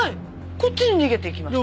こっちに逃げていきましたよ。